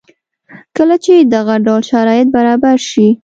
کله چې دغه ډول شرایط برابر شي